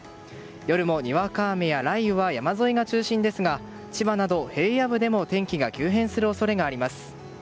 夜も、にわか雨や雷雨は山沿いが中心ですが千葉など平野部でも天気が急変する恐れがあります。